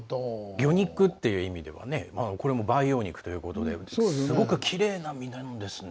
魚肉っていう意味ではこれも培養肉ということですごくきれいな身なんですね